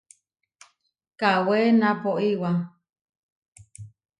Kawé naʼpó iʼwá.